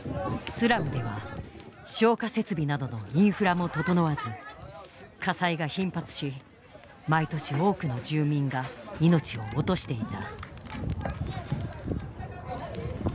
スラムでは消火設備などのインフラも整わず火災が頻発し毎年多くの住民が命を落としていた。